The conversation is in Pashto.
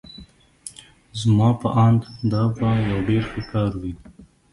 زما په آند دا به یو ډېر ښه کار وي.